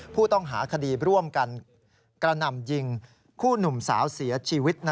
ผู้ต้องหาคดีร่วมกันกระหน่ำยิงคู่หนุ่มสาวเสียชีวิต